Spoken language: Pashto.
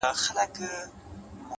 عاجزي د درناوي سرچینه ګرځي’